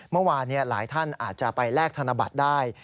เมื่อวานหลายท่านอาจจะไปแลกธนบัตรได้